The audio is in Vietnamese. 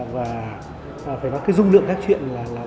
và phải nói cái dung lượng các chuyện là